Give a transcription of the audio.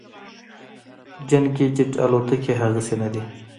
جنګي جیټ الوتکې هغسې نه دي